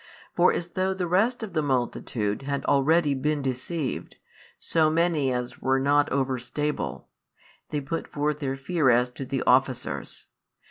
For as though the rest of the multitude had already been deceived, so many as were not over stable, they put forth their fear as to the officers.